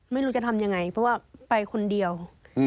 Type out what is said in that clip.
ไม่รู้จะทำยังไงเพราะว่าไปคนเดียว